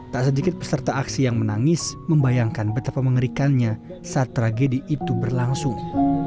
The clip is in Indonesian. tak sedikit peserta aksi yang menangis membayangkan betapa mengerikannya saat tragedi itu berlangsung